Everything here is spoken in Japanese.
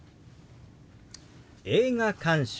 「映画鑑賞」。